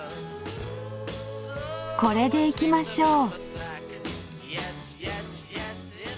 これでいきましょう。